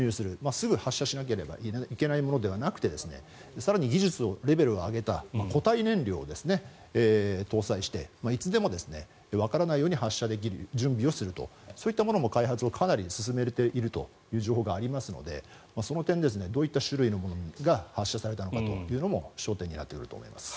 すぐ発射しなければいけないものではなくて更に技術レベルを上げた固体燃料を搭載していつでも、わからないように発射できる準備をするというものの開発もかなり進めているという情報がありますのでその点、どういった種類のものが発射されたのかも焦点になってくると思います。